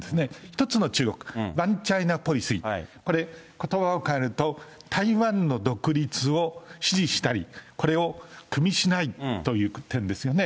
一つの中国、ワンチャイナポリシー、これ、ことばを変えると、台湾の独立を支持したり、これをくみしないという点ですよね。